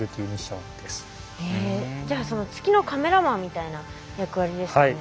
へえじゃあ月のカメラマンみたいな役割ですね。